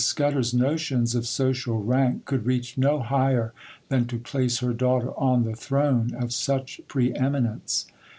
Scudder's notions of social rank could reach no higher than to place her daughter on the throne of such pre eminence.